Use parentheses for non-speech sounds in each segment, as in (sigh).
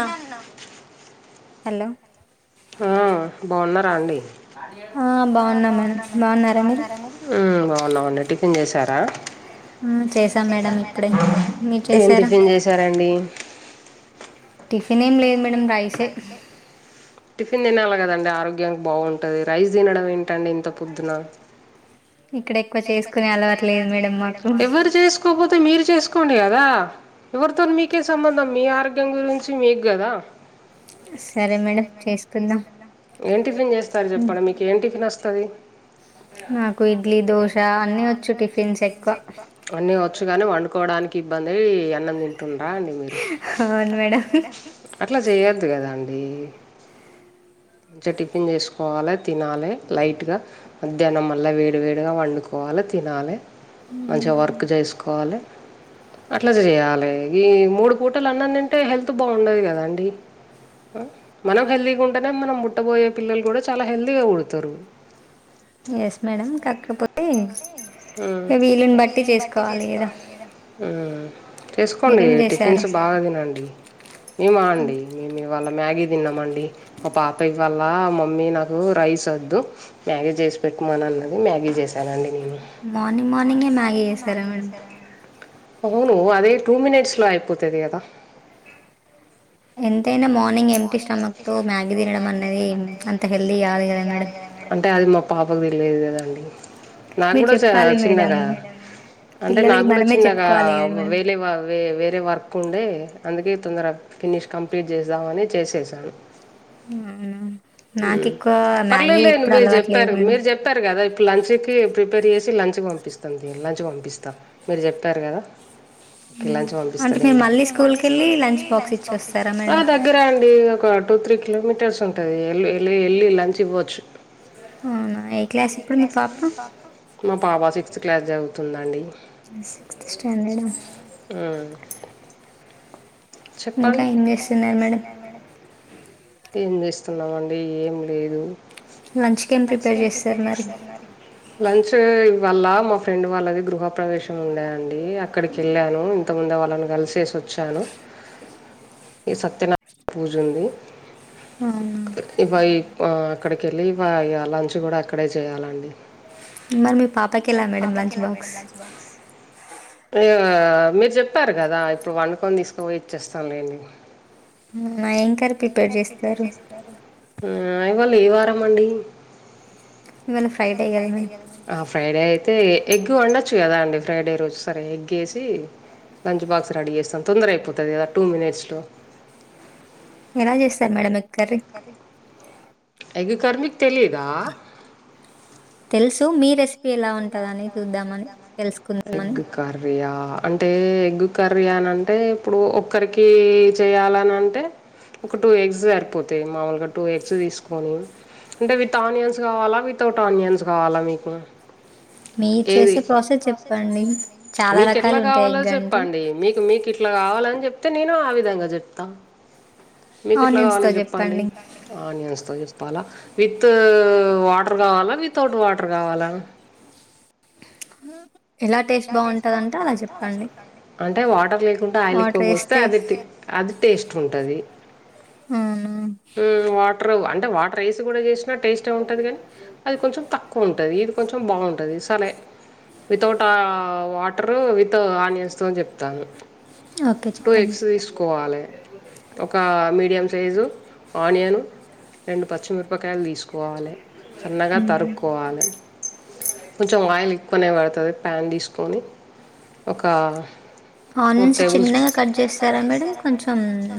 ఇక్కన్నే ఉన్న హలో హా బావున్నా మేడం బావున్నారా మీరు మ్మ్ బావున్నామండి టిఫిన్ జేసారా ఏం టిఫిన్ జేశారండి టిఫినేం లేదు మే మేడం రైసె టిఫిన్ దినాల గదండి ఆరోగ్యానికి బావుంటది రైస్ దినడం ఏంటండి ఇంత పొద్దున ఇక్కడెక్కువ చేసుకునే అలవాటు లేదు మేడం మాకు సుకోపోతే మీరు చేసుకోండి గదా ఎవరితోన్ మీకే సంబంధం మీ ఆరోగ్యం గురిం చి మీక్ గదా సరే మేడం చేసుకుందాం ఏం టిఫిన్ జేస్తరు జెప్పండి మీకేం టిఫినస్తది ఆ నాకు ఇడ్లి దోశ అన్నీ వచ్చు టిఫిన్స్ ఎక్కువ అన్ని వచ్చు గాని వండుకోవడాని కిబ్బందై అన్నం దింటుండ్రా అండి మీరు హవును మేడం అట్ల జెయ్యద్దు గదా అండీ మంచిగ టిఫిన్ జేసుకోవాలె తినాలె లైట్గా మధ్యాహ్నం మల్ల వేడి వేడి గ వండుకోవాలె తినాలె మంచిగ వర్క్ చేసుకోవాలె అట్ల జెయ్యాలే ఈ మూడు పూటలన్నం దింటే హెల్త్ బావుండదు గదండీ మనం హెల్దీగుంటనే మనం బుట్టబోయే పిల్లలు గూడా చాలా హెల్దీగా పుడ్తరు ఎస్ మేడం కాకపోతే ఇగ వీలున్ బట్టి చేసుకోవాలేదో మ్ చేస్కోండి టిఫిన్స్ బాగ దినండి మేమా అండి మేమివ్వాళ్ళ మ్యాగీ దిన్నమండి మా పాప ఇవ్వాళ్ళా మమ్మీ నాకూ రైసొద్దు మ్యాగి జేసి పెట్టు మనన్నది మ్యాగీ జేసానండి నేను మార్నింగ్ మార్నింగే మ్యాగీ ఎసారా మేడం అవునూ అదీ టూ మినెట్స్ లో అయిపోతది గదా ఎంతైనా మార్నింగ్ ఎమ్టీ స్టమక్తో మ్యాగీ దినడం అన్నది అంత హెల్దీ గాదు గదా మేడం అంటే అది మా పాపకు తెలియదు కదాండి నాక్ గుడా చ చిన్నగా అంటే నాగ్గుడా చిన్నగా ఒ వేలే వ వే వేరే వర్ కుండే అందుకే తొందర ఫినిష్ కంప్లీట్ జేస్దామని చేసేసాను హు అ పర్లేలేండి మీరు జెప్పారు మీరు జెప్ ప్పార్ గదా ఇప్పుడు లంచ్కి ప్రిపేర్ చేసి లంచ్కి పంపిస్తాన్తీ లంచ్ పంపిస్త మీరు జెప్పారు గద లంచ్ పంపిస్తలేండి నేన్ మళ్ళీ స్కూల్కెళ్ళి లంచ్ బాక్సిచ్చొస్తా దగ్గర అండీ ఒక టు త్రి కిలోమీటర్సుంటది ఎళ్ళు ఎళ్ళి ఎళ్ళి లంచ్ ఇవ్వచ్చు అవున ఏ క్లాస్ మీ పాప మా పాప సిక్స్త్ క్లాస్ జదువుతుందండి సిక్స్త్ స్టాండెడా ఆ ఇంకా ఏం చేస్తున్నారు మేడం ఏం చేస్తున్నామండి ఏం లేదు లంచ్ కి ఏం ప్రిపేర్ చేస్తారు మరి లంచ్ వాళ్ళ మా ఫ్రెండ్ వాళ్ళది గృహ ప్రవేశం ఉండేయండి అక్కడికి వెళ్ళాను ఇంత ముందే వాళ్ళని కలిసేసి వచ్చాను (inaudible) ఈ సత్యనా పూజ ఉంది ఇవయి అక్కడికెళ్ళి ఇవ్వాళ లంచ్ కూడా అక్కడే చేయాలండి మరి మీ పాపకెలా మేడం లంచ్ బాక్స్ అ మీరు చెప్పారు కదా ఇప్పుడు వండుకొని తీసుకనిపోయి ఇచ్చేస్తాంలేండి నా ఏం కర్రీ ప్రిపేర్ చేస్తారు ఆ ఇవాళ ఏ వారం అండి ఇవాళ ఫ్రైడే కదండి ఫ్రైడే అయితే ఎగ్ వండొచ్చు కదా అండి ఫ్రైడే రోజు సరే ఎగ్ ఏసి లంచ్ బాక్స్ రెడీ చేస్తాం తొందర అయిపోతది కదా టూ మినిట్స్ లో ఎలా చేస్తారు madam egg curry egg curry మీకు తెలియదా తెల్సు మీ రెస్పి ఎలా ఉంటదని చూద్దామని తెల్సుకుందామని కర్రియా అంటే ఎగ్గు కర్రీ ఆనంటే ఇప్పుడు ఒక్కరికి చెయాలని ఆనంటే ఒక టూ ఎగ్స్ సరిపోతాయి మామూలుగా టూ ఎగ్స్ తీసుకొని అంటే విత్ ఆనియన్స్ కావాలా వితౌట్ ఆనియన్స్ కావాలా మీకు ఏది మీక్ ఎట్ల కావాలో చెప్పండి మీక్ మీకు ఇట్లా కావాలని చెప్తే నేను ఆ విధంగా చెప్తా మీకు ఎట్లా కావాలో చెప్పండి ఆనియన్స్ తో చెప్పాలా విత్ వాటర్ కావాలా వితౌట్ వాటర్ కావాలా హ యస్ బావుంటదంట అలా చెప్పండి అంటే వాటర్ లేకుండా ఆయిల్ ఎక్కువ పోస్తే అది అది టేస్ట్ ఉంటది అ ఉ వాటర్ అంటే వాటర్ రైస్ కూడా చేసి టేస్ట్ ఏ ఉంటది కానీ అది కొంచెం తక్కువ ఉంటది ఇది కొంచెం బాగుంటుంది సలే వితౌట్ వాటరు విత్ ఆనియన్స్తోని చెప్తాను టూ ఎగ్స్ తీసుకోవాలి ఒక మీడియం సైజు ఆనియను రెండు పచ్చిమిరపకాయలు తీసుకోవాలి సన్నగా తరుకోవాలి కొంచెం ఆయిల్ ఎక్కువనే పడుతది ప్యాన్ తీసుకొని ఒక చిన్నగా కట్ చేస్తారమేడం కొంచెం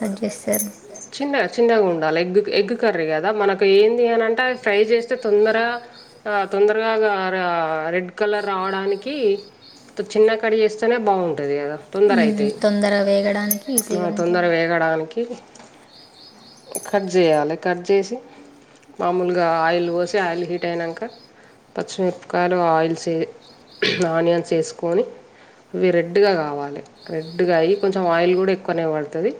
పొడుగగా కట్ చేస్తరా చిన్నగా చిన్నగా ఉండాలి ఎగ్ ఎగ్ కర్రీ కదా మనకు ఏంది అని అంటే ఫ్రై చేస్తే తొందరగా ఆ తొందరగా అరా రెడ్ రెడ్ కలర్ రావడానికి చిన్న కడి చేస్తేనే బాగుంటుంది కదా తొందర అవుతయి తొందర వేగడానికి కట్ చేయాలి కట్ చేసి మామూలుగా ఆయిల్ పోసి ఆయిల్ హీట్ అయినాక పచ్చిమిరపకాయలు ఆయిల్స్ ఆనియన్స్ ఏసుకొని ఇవి రెడ్గా కావాలి రెడ్గా అయ్యి కొంచెం ఆయిల్ కూడా ఎక్కువనే పడుతది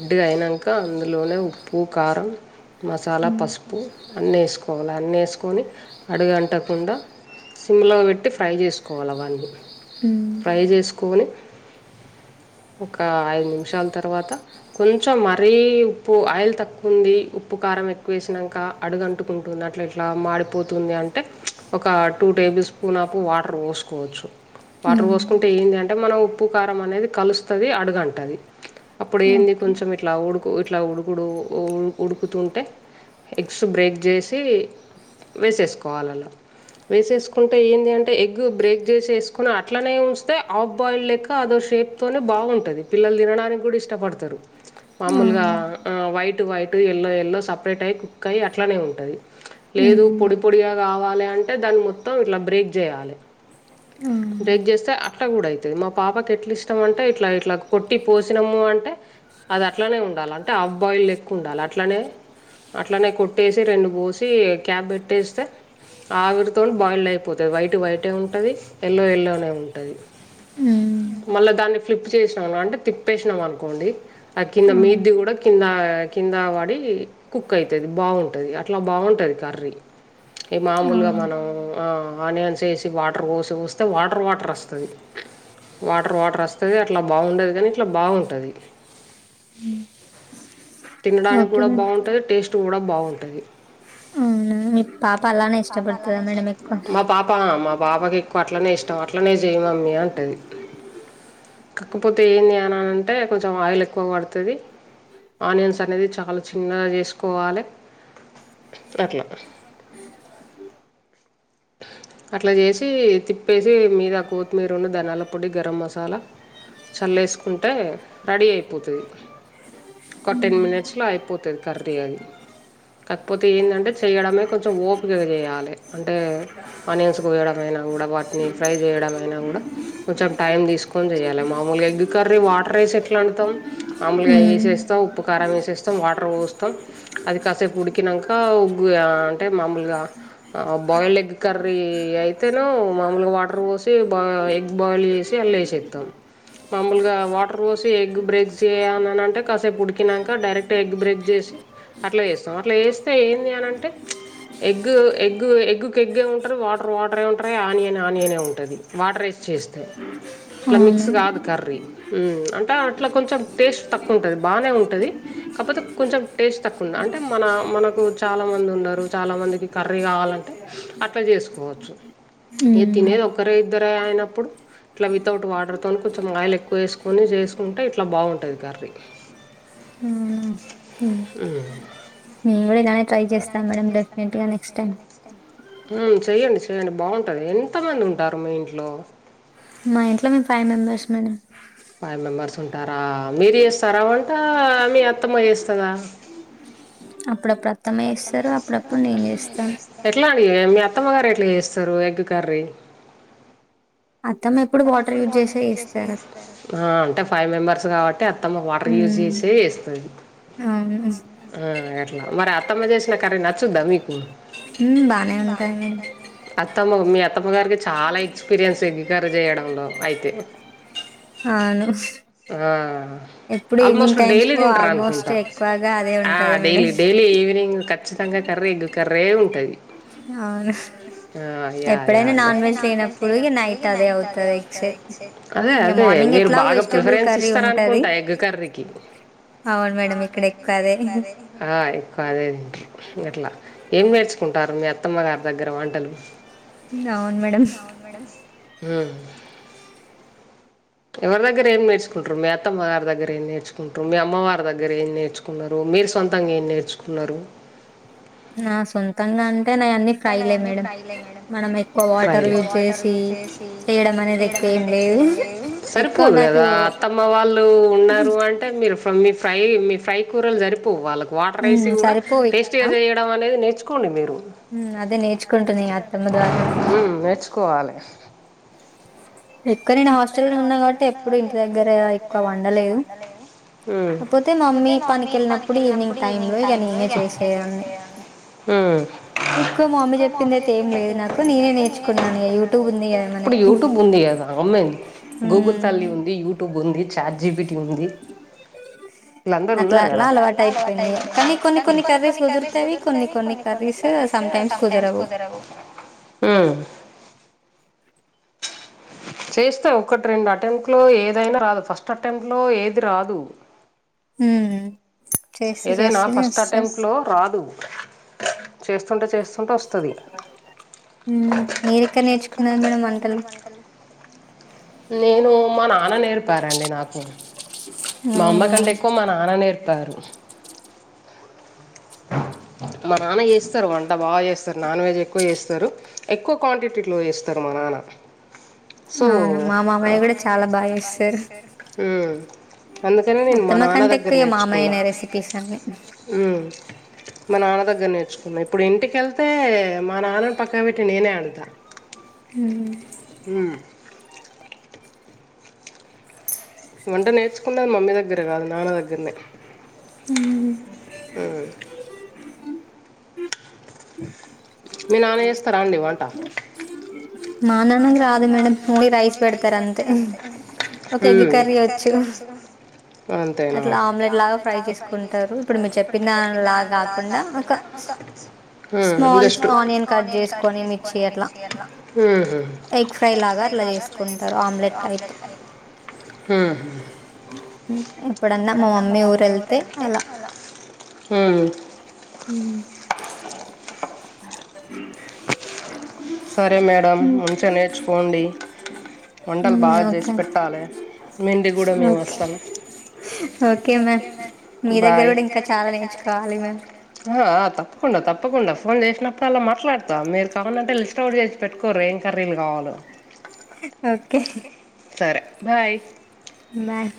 డ్డిగా అయినాంక అందులోనే ఉప్పు కారం మసాలా పసుపు అన్ని ఏసుకోవాలి అన్నీ ఏసుకొని అడుగుంటకుండా సిమ్లో పెట్టి ఫ్రై చేసుకోవాల అవ్వని ఫ్రై చేసు కొని ఒక ఐదు నిమిషాల తర్వాత కొంచెం మరీ ఉప్పు ఆయిల్ తక్కువ ఉంది ఉప్పు కారం ఎక్కు వేసినాంక అడుగంటుకుంటుంది అట్లా ఇట్లా మాడిపోతుంది అంటే ఒక టూ టేబుల్ స్పూ న్ అపు వాటర్ పోసుకోవచ్చు వాటర్ పోసు కుంటే ఏంది అంటే మనం ఉప్పు కారం అనేది కలుస్తాది అడుగంటది అప్పుడు ఏంది కొంచెం ఇట్లా ఉడుకు ఇట్లా ఉడుకుడు ఉ ఉడుకుతుంటే ఎగ్స్ బ్రేక్ చేసి వేసేసుకోవాలాలో వేసేసుకుంటే ఏంది అంటే ఎగ్ బ్రేక్ చేసేసుకొని అట్లనే ఉంచితే ఆఫ్ బాయిల్ లెక్క అదో షేప్ తొనే బాగుంటది పిల్లలు తినడానికి కూడా ఇష్టపడతారు మామూలుగా ఆ white white yellow yellow separate అయ్యి కుక్ అయ్యి అట్లానే ఉంటది లేదు పొడి పొడిగా కావాలి అంటే దాన్ని మొత్తం ఇట్లా బ్రేక్ చేయాలి ఆ బ్రేక్ చేస్తే అట్లా కూడా అయితది మా పాపకు ఎట్లా ఇష్టమంటే ఇట్లా ఇట్లా కొట్టి పోసినాము అంటే అది అట్లానే ఉండాల అంటే ఆఫ్ బాయిల్ లెక్క ఉండాలి అట్లానే అట్లనే కొట్టేసి రెండు పోసి క్యాబ్ పెట్టేస్తే ఆవిరితోనే బాయిల్డ్ అయిపోతాది వైట్ వైటే ఉంటది ఎల్లో ఎల్లోనే ఉంటది మళ్ళా దాన్ని ఫ్లిప్ చేసినాము అంటే తిప్పేసినాం అనుకోండి ఆ కింద మీద్ది కూడా కింద కింద పడి కుక్ అయితది బాగుంటది అట్లా బాగుంటది కర్రీ ఈ మామూలుగా మనం ఆ ఆనియన్స్ ఏసి వాటర్ పోసి వస్తే వాటర్ వాటర్ వస్తాది వాటర్ వాటర్ వస్తది అట్లా బాగుండదు కానీ ఇట్లా బాగుంటది తినడానికి కూడా బాగుంటది టేస్ట్ కూడా బాగుంటది మీ పాప అలానే ఇష్టపడుతాదా మేడం ఎక్కువ పా మా పాపకి ఎక్కువ అట్లనే ఇష్టం అట్లనే చేయి మమ్మీ అంటది కాకపోతే ఏంది అనని అంటే కొంచెం ఆయిల్ ఎక్కువ పడుతది ఆనియన్స్ అనేది చాలా చిన్నగా చేసుకోవాలే అట్లా అట్లా చేసి తిప్పేసి మీద కొతిమీరును ధనియాల పొడి గరం మసాలా చల్లేసుకుంటే రెడీ అయిపోతది ఒక టెన్ మినిట్స్‌లో అయిపోతాది కర్రీ అది కాకపోతే ఏందంటే చేయడమే కొంచెం ఓపికగా చేయాలి అంటే ఆనియన్స్ కొయడమైనా కూడా వాటిని ఫ్రై చేయడం అయినా కూడా కొంచెం టైం తీసుకొని చెయాలి మామూలుగా ఎగ్ కర్రీ వాటర్ ఏసి ఎట్లా వండుతాం మామూలుగా ఏసేస్తా ఉప్పు కారం ఏసేస్తాం వాటర్ పోస్తాం అది కాసేపు ఉడికినాంక ఉగ్గుగా అంటే మాముూలుగా ఆ బాయిల్డ్ ఎగ్ కర్రీ అయితేను మామూలుగా వాటర్ పోసి బాగా ఎగ్ బాయిల్డ్ చే సి అల్లా ఎసేత్తాం మామూలుగా వాటర్ పోసి ఎగ్ బ్రేక్ చేయాలనంటే కాసేపు ఉడికినాంక డైరెక్ట్ ఎగ్ బ్రేక్ చేసి అట్లా ఏస్తాం అట్లా ఏస్తే ఏంది అనంటే ఎగ్గు ఎగ్గు ఎగ్గుకి ఎగ్గే ఉంటారు వాటర్ వాటరే ఉంటారు ఆనియన్ ఆనియనే ఉంటది వాటర్ ఏసి చే స్తే అట్లా మిక్స్ కాదు కర్రీ ఉమ్మ్ అంటే అట్లా కొంచం టేస్ట్ త క్కువ ఉంటది బాగానే ఉంటది కాకపోతే కొంచెం టేస్ట్ తక్కువుంద అంటే మన మనకు చాలా మంది ఉన్నారు చాలా మందికి కర్రీ కావాలంటే అట్ల చేసుకోవచ్చు ఏ తినేది ఒకరే ఇద్దరే అయినప్పుడు ఇట్లా వితౌట్ వాటర్తోని కొంచెం ఆయిల్ ఎక్కువ వేసుకొని చేసుకుంటే ఇట్ల బాగుంటుంది కర్రీ ఉ (unintelligible) ట్రై చేస్తా మేడం డెఫినేట్గా నేక్స్ట్ టైమ్ చెయ్యండి చెయ్యండి బాగుంటది ఎంత మంది ఉంటారు మీ ఇంట్లో మా ఇంట్లో మేము five members madam five members ఉంటార మీరు చేస్తారా వంట మీ అత్తమ్మ చేస్తదా ఆ అప్పుడప్పుడు అత్తమే చేస్తారు అప్పుడప్పుడు నేను చేస్తాను ఎట్లా అండి మీ అత్తమ్మ గారు ఎట్లా చేస్తారు ఎగ్ కర్రీ అత్తమ్మ ఎప్పుడు వాటర్ యూజ్ చేసే ఇస్తారు అంటే ఫైవ్ మెంబర్స్ కాబట్టి అత్తమ్మ వాటర్ యూజ్ చేసే (unintelligible) ఆ అట్ల మరి అత్తమ్మ చేసిన కర్రీ నచ్చుద్దా మీకు బానే ఉంటా (unintelligible) అత్తమ్మ మీ అత్తమ్మ గారికి చాలా ఎక్స్పీరియన్స్ ఎగ్గికర చేయడంలో అయితే అవును ఆ ఆల్మోస్ట్ డైలీ తింటారు అనుకుంట daily daily evening ఖచ్చ (unintelligible) Karri egg curry ఉంటది నాన్ వెజ్ (unintelligible) నైట్దే అవుతది అదే అదే మీరు బాగ ప్రిఫరెన్స్ ఇస్తారనుకుంటా ఎగ్ కర్రీకి అవును మేడం ఇక్కడ ఎక్కువ అదే ఆ ఎక్కువ అదే (unintelligible) ఇట్లా ఏం నేర్చుకుంటారు మీ అత్తమ్మ గారి దగ్గర వంటలు అవును మేడం ఎవరి దగ్గర (unintelligible) అమ్మగారీ ఏం నేర్చుకుు మీమ్మవారి దగ్గర ఏ నేర్చు మీరు సొంతంగ ఏం నేర్చుకున్నారు నా (unintelligible) సొంతంగా అంటే అ అన్నీ ఫ్రైలే మేడం మనం ఎక్కువ వాటర్ యూజ్ చేసి చేయడం అనేది ఎక్కువ ఏం లేదు ఎక్కువ నాకు అంటే మీరు మీ ఫ్రై మీ ఫ్రై కూరలు జరిపోవు వాళ్ళకి వాటర్ (unintelligible) కూడా టేస్టీగా (unintelligible) (unintelligible) నేర్చుకోండి మీరు అదే నేర్చుకుంటున్న అత్తమ్మ ద్వారానే కోవాలే ఎక్కు నేను హాస్టల్ లో ఉన్న కాబట్టి ఎప్పుడు ఇంటి దగ్గర ఎక్కువ వండలేదు హమ్ కాకపోతే మమ్మీ పనికి వెళ్ళినప్పుడు ఈవినింగ్ టైమ్లో ఇగ ఇవ్వని చేసేయాలి (unintelligible) అప్పుడు యూట్యూబ్ ఉంది అద ఆమెయి గూగుల్ తల్లి ఉంది యూట్యూబ్ ఉంది చాట్ జీబిటి ఉంది ఇలందూ ఉన్నారు కదాలవాటు కానీ కొన్ని కొన్ని కర్రీస్ కుదురుతాయి కొన్ని కొన్ని కర్రీస్ సమ్ టైమ్స్ కుదరవు చేస్తే ఒకటి రెండు అటెంప్ట్లో (unintelligible) రాదు ఫస్ట్ అటెంప్ట్లో ఏది రాదు హు ఏదైనా ఫస్ట్ అటెంప్ట్లో రాదు చేస్తుంటే చేస్ (unintelligible) వస్తది నేను మా నాన్న నేర్పారండి నాకు. మా అమ్మ కంటే ఎక్కువ మా నాన్న నేర్పారు. మా నాన్న చేస్తారు వంట బాగా చేస్తారు నాన్ వెజ్ ఎక్కువ చేస్తారు. ఎక్కువ క్వాంటిటీలో వేస్తారు మా నాన్న. సో అందుకని నేను మా నాన్న దగ్. అక్కయ్య మామయ్యనే రెసిపీస్ అన్నీ. మా నాన్న దగ్గర నేర్చుకున్నం ఇప్పుడు ఇంటికెళ్తే మా నాన్నని పక్కా పెట్టి నేనే ఆడ. క్క హ హ. వంట నేర్చుకున్న మమ్మీ దగ్గర కాదు నాన్న దగ్గరనే. మీ నాన్న చేస్తారా అండి వంట. మా నాన్న రాదు మరి ఓన్లీ రైస్ పెడతారు అంతే చెలి కర్రీ వచ్చి. ఇ అంతనా అట్లా ఆమ్లెట్ లాగా ఫ్రై చేసుకుంటారు ఇప్పుడు మీరు చెప్పిన లా కాకుండా ఒక. స్మాల్ ఆనియన్ కట్ చేసుకొని మిర్చి అట్ల. ఎగ్ ఫ్రై లాగా ట్రై చేస్తుంటారు ఆమ్లెట్ కర్రీని. ఎప్పుడన్నా మా మమ్మీ ఊరు వెళ్తే అలా. హ సరే మేడం ముంచే నేర్చుకోండి. వంటలు బాగా చేసి పెట్టాలి మీ ఇంటికి కూడా మేం వస్తాము. ఓకే మరి బాయ్ మీ దగ్గర కూడా ఇంకా చాలా నేర్చుకోవాలి. ఆ తప్పకుండా తప్పకుండా ఫోన్ చేసినప్పుడు అలా మాట్లాడతా మీరు కావాలంటే తెల్. పెట్టుకో ఏం కర్రీలు కావాల సరే బాయ్. మ్యామ్.